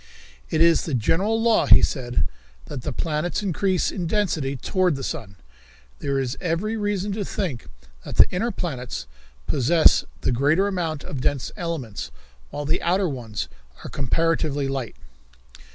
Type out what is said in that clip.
"It is the general law," he said, "that the planets increase in density toward the sun. There is every reason to think that the inner planets possess the greater amount of dense elements, while the outer ones are comparatively light."